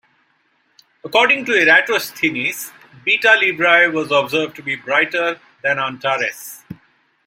According to Eratosthenes Beta Librae was observed to be brighter than Antares.